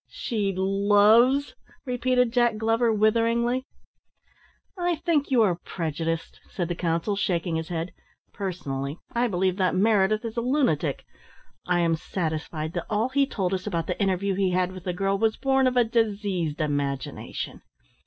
"She loves!" repeated Jack Glover witheringly. "I think you are prejudiced," said the counsel, shaking his head. "Personally, I believe that Meredith is a lunatic; I am satisfied that all he told us about the interview he had with the girl was born of a diseased imagination.